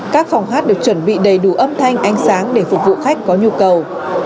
các phòng hát được chuẩn bị đầy đủ âm thanh ánh sáng để phục vụ khách có nhu cầu